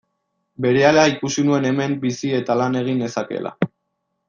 Berehala ikusi nuen hemen bizi eta lan egin nezakeela.